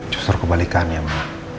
justru aku balikan ya mah